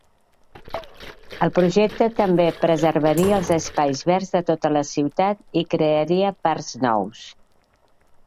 El projecte també preservaria els espais verds de tota la ciutat i crearia parcs nous.